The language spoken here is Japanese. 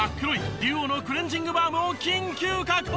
ＤＵＯのクレンジングバームを緊急確保！